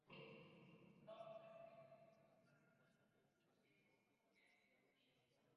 No obstante, Caracas es la capital donde ha sido más desarrollada esta sopa.